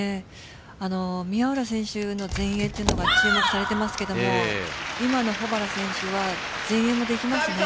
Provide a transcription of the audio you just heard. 宮浦選手の前衛というのが注目されていますが今の保原選手は前衛もできますね。